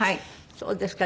そうですか。